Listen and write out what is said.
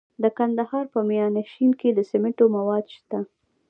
د کندهار په میانشین کې د سمنټو مواد شته.